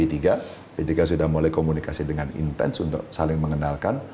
p tiga sudah mulai komunikasi dengan intens untuk saling mengenalkan